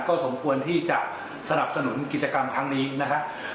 ก็สมควรที่จะสนับสนุนกิจกรรมครั้งนี้นะครับ